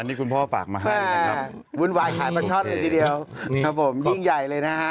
นี่คุณพ่อฝากมาให้นะครับวุ่นวายขายปลาช่อนเลยทีเดียวครับผมยิ่งใหญ่เลยนะฮะ